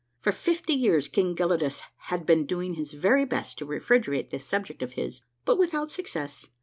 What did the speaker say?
For fifty years King Gelidus had been doing his very best to refrigerate this subject of his, but without success.